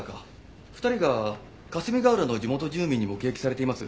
２人が霞ヶ浦の地元住民に目撃されています。